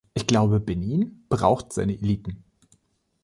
Ich glaube, Benin braucht seine Eliten.